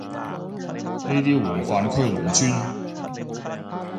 呢啲黃泛區農村